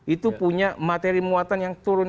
itu punya materi muatan yang turun